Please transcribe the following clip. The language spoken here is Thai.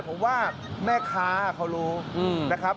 ผมว่าแม่ค้าเขารู้นะครับ